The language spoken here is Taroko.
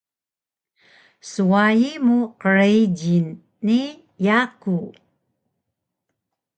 swayi mu qrijil ni yaku